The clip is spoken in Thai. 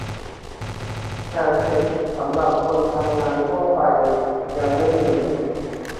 แต่สิทธิสำหรับคนทำงานทั่วไป ยังไม่มี